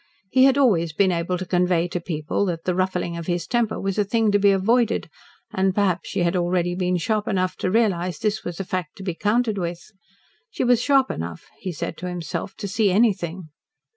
He had always been able to convey to people that the ruffling of his temper was a thing to be avoided, and perhaps she had already been sharp enough to realise this was a fact to be counted with. She was sharp enough, he said to himself, to see anything.